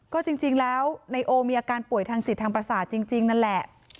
ก็จริงแล้วนายโอมีอาการป่วยทางจิตทางประสาทจริงนั่นแหละ